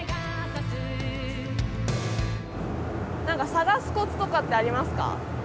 何か探すコツとかってありますか？